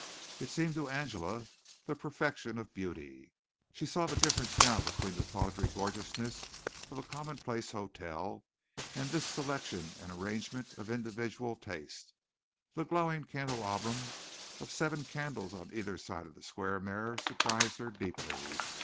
It seemed to Angela the perfection of beauty. She saw the difference now between the tawdry gorgeousness of a commonplace hotel and this selection and arrangement of individual taste. The glowing candelabrum of seven candles on either side of the square mirror surprised her deeply.